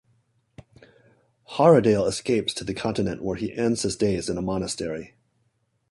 Haredale escapes to the continent where he ends his days in a monastery.